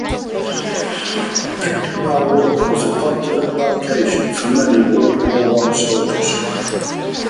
Pinkenba Wharf was the point of embarkation for many World War One soldiers.